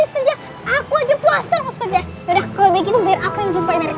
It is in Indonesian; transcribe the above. ustazah aku aja puasa ustazah udah kalau begitu biar aku yang jumpa mereka